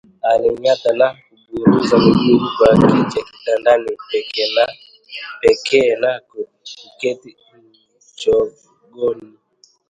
Alinyata na kuburuza miguu huku akija kitandani pake na kuketi mchagoni